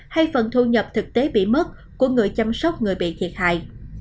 hay phần thu nhập thực tế bị mất của người chăm sóc người bị thiệt hại